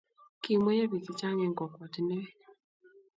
Kimweiyo bik che Chang eng kokwatinwek